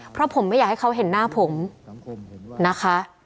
เพราะผมไม่อยากให้เขาเห็นหน้าผมนะคะ